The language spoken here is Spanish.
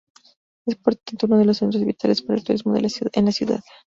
Es por tanto uno de los centros vitales para el turismo en la ciudad.